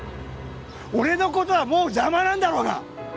俺のことはもう邪魔なんだろうが！